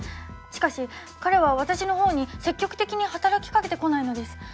しかし彼は私の方に積極的に働きかけてこないのです。